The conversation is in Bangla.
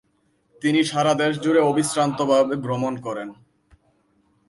তিনি সারা দেশ জুড়ে অবিশ্রান্তভাবে ভ্রমণ করেন।